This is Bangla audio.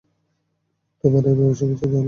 কী ঘটতে পারে ভেবে শংকিত ছিলাম।